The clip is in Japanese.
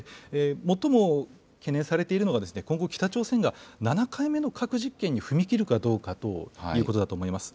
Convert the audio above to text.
最も懸念されているのが、今後、北朝鮮が７回目の核実験に踏み切るかどうかということだと思います。